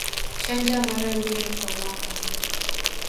Chanja mara mbili kwa mwaka